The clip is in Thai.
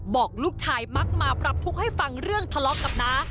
บอกลูกชายมักมาปรับทุกข์ให้ฟังเรื่องทะเลาะกับน้า